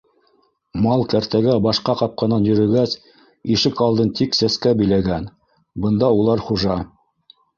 Мал кәртәгә башҡа ҡапҡанан йөрөгәс, ишек алдын тик сәскә биләгән, бында улар хужа.